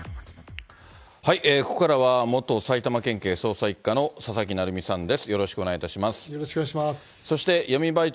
ここからは、元埼玉県警捜査１課の佐々木成三さんです。